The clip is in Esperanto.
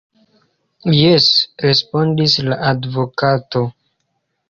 Jes, respondis la advokato.